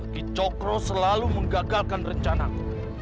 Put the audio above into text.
ki cokro selalu menggagalkan rencanaku